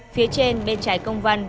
phía trên bên trái công văn